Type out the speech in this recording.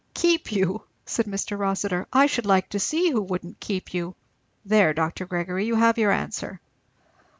"Keep you!" said Mr. Rossitur; "I should like to see who wouldn't keep you! There, Dr. Gregory, you have your answer."